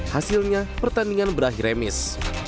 hasilnya pertandingan berakhir remis